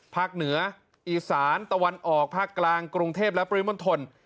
เหนืออีสานตะวันออกภาคกลางกรุงเทพและปริมณฑล